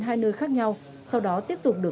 hai nơi khác nhau sau đó tiếp tục được